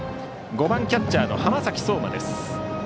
５番キャッチャーの浜崎綜馬です。